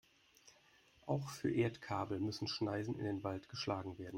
Auch für Erdkabel müssen Schneisen in den Wald geschlagen werden.